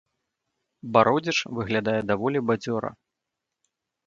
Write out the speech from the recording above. Бародзіч выглядае даволі бадзёра.